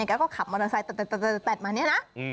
แกก็ขับมอเตอร์ไซส์แบบนี้นะ